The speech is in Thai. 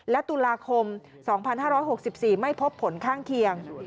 และตุลาคม๒๕๖๔ไม่พบผลข้างเคียง